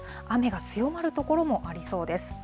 雨が強まる所もありそうです。